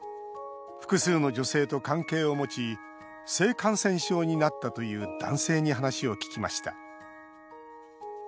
複数の女性と関係を持ち性感染症になったという男性に話を聞きました。